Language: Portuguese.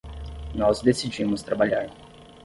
Nós decidimos trabalhar